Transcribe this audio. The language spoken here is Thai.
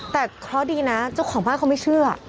แต่เคราะห์ดีนะเจ้าของบ้านเขาไม่เชื่อ